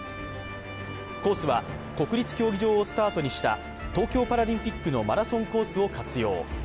コースは国立競技場をスタートにした東京パラリンピックのマラソンコースを活用。